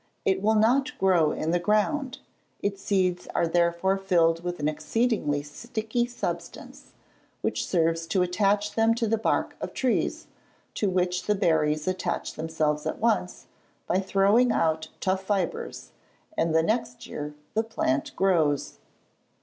It will not grow in the ground; its seeds are therefore filled with an exceedingly sticky substance, which serves to attach them to the bark of trees, to which the berries attach themselves at once, by throwing out tough fibres; and the next year the plant grows.